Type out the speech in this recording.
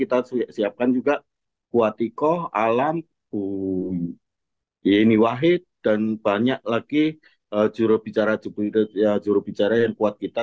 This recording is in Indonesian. dan juga kuatikoh alam yeni wahid dan banyak lagi jurubicara yang kuat kita